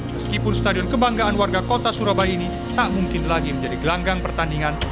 meskipun stadion kebanggaan warga kota surabaya ini tak mungkin lagi menjadi gelanggang pertandingan